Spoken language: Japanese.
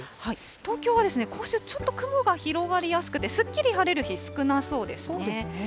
東京は今週、ちょっと雲が広がりやすくて、すっきり晴れる日、少なそうですね。